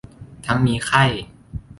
ทั้งมีไข้